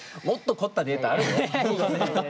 もっと凝ったデータあるよ。